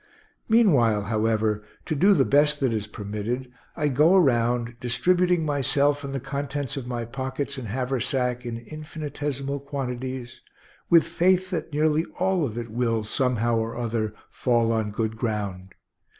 Meanwhile, however, to do the best that is permitted, I go around, distributing myself and the contents of my pockets and haversack in infinitesimal quantities, with faith that nearly all of it will, somehow or other, fall on good ground.